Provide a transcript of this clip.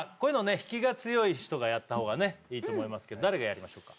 引きが強い人がやった方がねいいと思いますけど誰がやりましょうか？